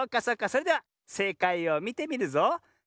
それではせいかいをみてみるぞ。